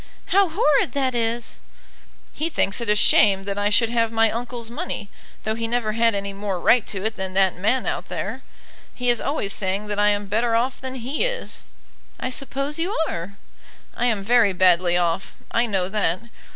"How horrid that is!" "He thinks it a shame that I should have my uncle's money, though he never had any more right to it than that man out there. He is always saying that I am better off than he is." "I suppose you are." "I am very badly off, I know that.